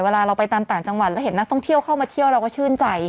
เวลาเราไปตามต่างจังหวัดแล้วเห็นนักท่องเที่ยวเข้ามาเที่ยวเราก็ชื่นใจ